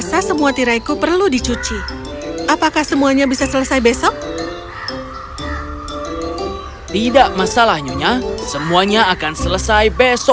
semuanya akan selesai besok hari